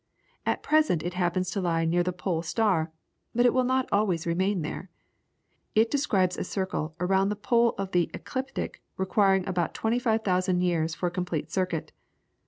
At present it happens to lie near the Pole Star, but it will not always remain there. It describes a circle around the pole of the Ecliptic, requiring about 25,000 years for a complete circuit.